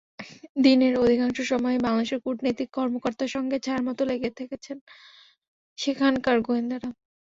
দিনের অধিকাংশ সময়ই বাংলাদেশের কূটনীতিক-কর্মকর্তাদের সঙ্গে ছায়ার মতো লেগে থেকেছে সেখানকার গোয়েন্দারা।